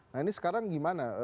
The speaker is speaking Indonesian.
nah ini sekarang gimana